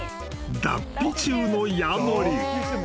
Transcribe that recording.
［脱皮中のヤモリ］